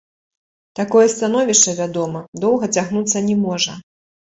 Такое становішча, вядома, доўга цягнуцца не можа.